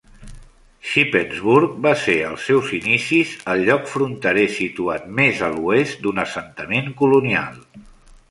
Shippensburg va ser als seus inicis el lloc fronterer situat més a l"oest d"un assentament colonial.